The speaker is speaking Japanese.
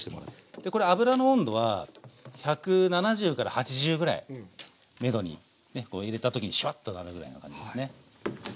油の温度は１７０から８０ぐらいめどにねこう入れた時にシュワッとなるぐらいの感じですね。